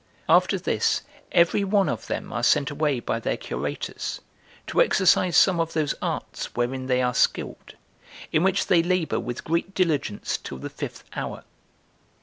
After this every one of them are sent away by their curators, to exercise some of those arts wherein they are skilled, in which they labor with great diligence till the fifth hour.